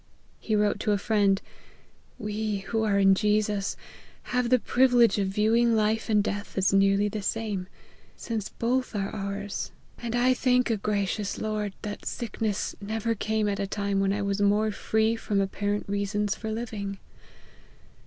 He wrote to a friend " We who are in Jesus, have the privilege of viewing life and death as nearly the same, since both are ours ; and I thank a LIFE OF HENRY MARTYN. 173 gracious Lord that sickness never came at a time when I was more free from apparent reasons for living.